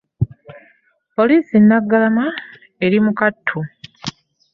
Poliisi e Naggalama eri mu kattu